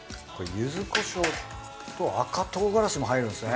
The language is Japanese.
ゆずこしょうと赤唐辛子も入るんですね。